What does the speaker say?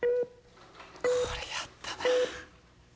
これやったなぁ